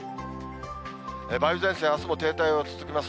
梅雨前線、あすも停滞を続けます。